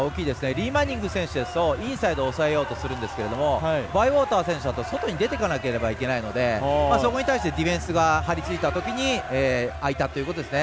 リー・マニング選手はインサイドを抑えようとするんですけどバイウォーター選手だと外に出てこないといけないのでそこに対してディフェンスが張り付いたときに空いたというところですね。